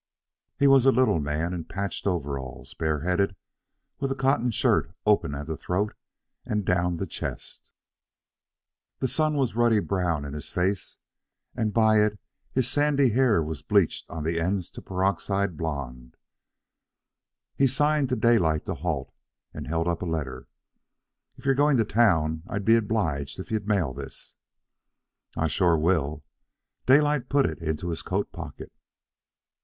He was a little man, in patched overalls; bareheaded, with a cotton shirt open at the throat and down the chest. The sun was ruddy brown in his face, and by it his sandy hair was bleached on the ends to peroxide blond. He signed to Daylight to halt, and held up a letter. "If you're going to town, I'd be obliged if you mail this." "I sure will." Daylight put it into his coat pocket.